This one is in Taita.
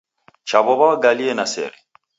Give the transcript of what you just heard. Chaw'ow'a waghalie na sere